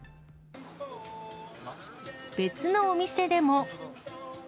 別のお店でも。